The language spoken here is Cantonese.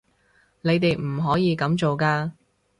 你哋唔可以噉做㗎